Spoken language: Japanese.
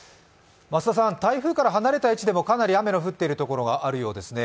台風から離れた位置でもかなり雨の降っている所があるようですね。